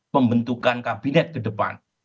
pembentukan kabinet ke depan